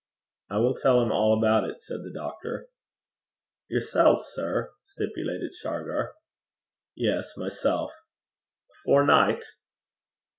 'I will tell him all about it,' said the doctor. 'Yersel, sir?' stipulated Shargar. 'Yes, myself.' 'Afore nicht?'